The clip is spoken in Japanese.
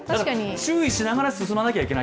注意しながら進まなければいけない。